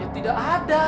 ya tidak ada